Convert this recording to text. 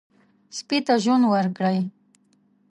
سپي ته ژوند ورکړئ.